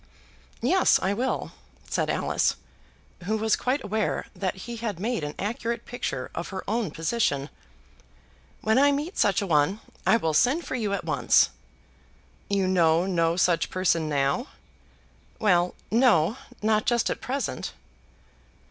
"Yes, I will," said Alice, who was quite aware that he had made an accurate picture of her own position. "When I meet such a one, I will send for you at once." "You know no such person now?" "Well, no; not just at present."